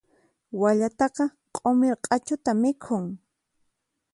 Wallataqa q'umir q'achuta mikhun.